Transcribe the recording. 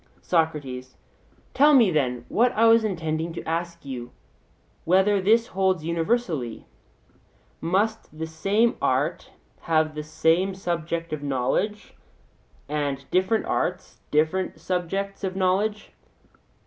SOCRATES: Tell me, then, what I was intending to ask you, whether this holds universally? Must the same art have the same subject of knowledge, and different arts other subjects of knowledge?